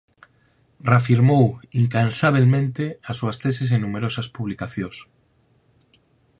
Reafirmou incansabelmente as súas teses en numerosas publicacións.